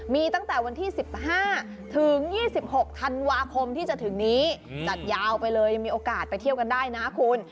มีตั้งแต่วันที่๑๕ถึง๒๖ธันวาคมที่จะถึงนี้จัดยาวไปเลยยังมีโอกาสไปเที่ยวกันได้นะคุณ